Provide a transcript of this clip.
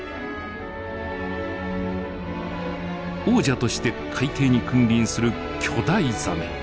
王者として海底に君臨する巨大ザメ。